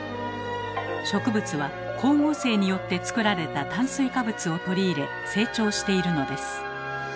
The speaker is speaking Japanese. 植物は光合成によって作られた炭水化物をとり入れ成長しているのです。